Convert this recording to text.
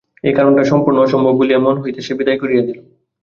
এই কারণটাকে সম্পূর্ণ অসম্ভব বলিয়া মন হইতে সে বিদায় করিয়া দিল।